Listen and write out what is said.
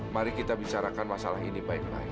mari kita bicarakan masalah ini baik baik